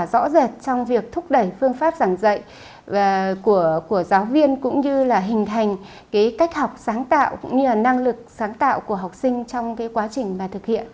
có hiệu quả rõ rệt trong việc thúc đẩy phương pháp giảng dạy của giáo viên cũng như là hình thành cách học sáng tạo cũng như là năng lực sáng tạo của học sinh trong quá trình thực hiện